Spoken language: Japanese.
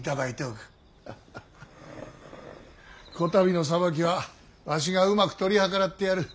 こたびの裁きはわしがうまく取り計らってやる。